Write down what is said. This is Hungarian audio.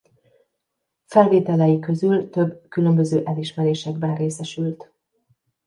Felvételei közül több különböző elismerésekben részesült.